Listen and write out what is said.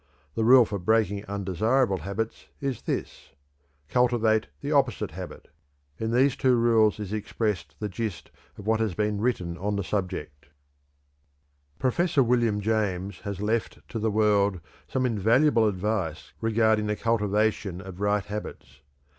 The rule for breaking undesirable habits is this: Cultivate the opposite habit. In these two rules is expressed the gist of what has been written on the subject. Professor William James has left to the world some invaluable advice regarding the cultivation of right habits.